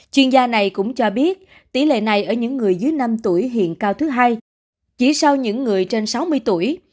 chuyên gia này cũng cho biết tỷ lệ này ở những người dưới năm tuổi hiện cao thứ hai chỉ sau những người trên sáu mươi tuổi